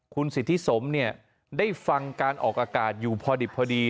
คุณสิทธิสมเนี่ยได้ฟังการออกอากาศอยู่พอดิบพอดี